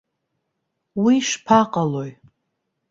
Уи шԥаҟалои?